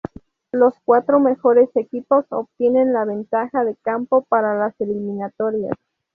Los cuatro mejores equipos obtienen la ventaja de campo para las eliminatorias.